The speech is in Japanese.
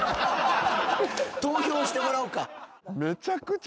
投票してもらおっか。